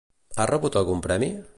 Ha rebut algun premi?